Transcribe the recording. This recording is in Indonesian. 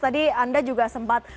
tadi anda juga sempat